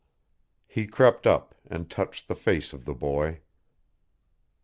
He crept up and touched the face of the boy.